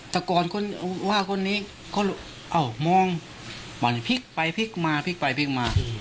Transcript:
แต่ก่อนคนว่าคนนี้เขาเอ้ามองมานี่พลิกไปพลิกมาพลิกไปพลิกมา